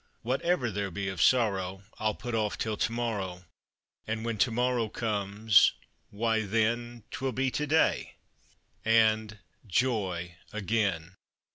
Whatever there be of Sorrow I'll put off till To morrow, And when To morrow comes, why, then 'Twill be To day, and Joy again!